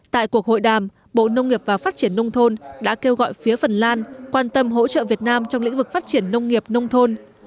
tại cuộc hội đàm bộ nông nghiệp và phát triển nông thôn đã kêu gọi phía phần lan quan tâm hỗ trợ việt nam trong lĩnh vực phát triển nông nghiệp nông thôn